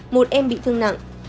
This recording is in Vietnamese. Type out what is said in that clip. một em bị thương nặng